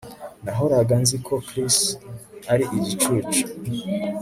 Nahoraga nzi ko Chris ari igicucu